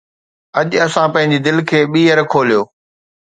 اڄ اسان پنهنجي دل کي ٻيهر کوليو